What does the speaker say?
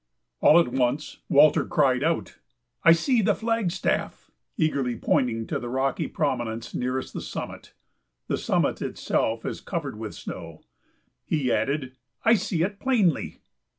All at once Walter cried out: "I see the flagstaff!" Eagerly pointing to the rocky prominence nearest the summit the summit itself is covered with snow he added: "I see it plainly!"